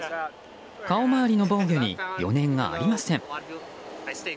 顔周りの防御に余念がありません。